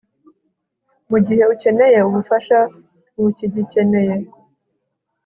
Mugihe ukeneye ubufasha Ntukigikeneye